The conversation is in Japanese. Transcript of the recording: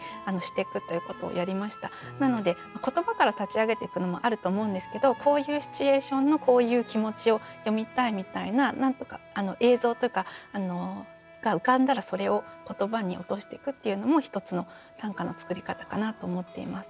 なので言葉から立ち上げていくのもあると思うんですけどこういうシチュエーションのこういう気持ちを詠みたいみたいな映像とかが浮かんだらそれを言葉に落としてくっていうのも一つの短歌の作り方かなと思っています。